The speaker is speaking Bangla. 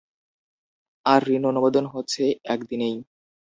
আর ঋণ অনুমোদন হচ্ছে এক দিনেই।